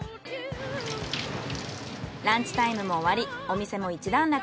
ランチタイムも終わりお店も一段落。